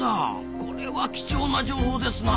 これは貴重な情報ですなあ。